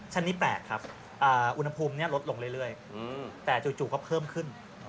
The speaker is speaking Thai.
ชนิดแปลกครับอุณหภูมิลดลงเรื่อยแต่จู่ก็เพิ่มขึ้น